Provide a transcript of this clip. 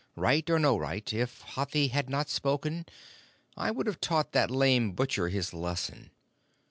Right or no right, if Hathi had not spoken I would have taught that lame butcher his lesson.